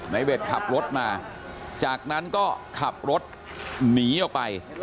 เวทขับรถมาจากนั้นก็ขับรถหนีออกไป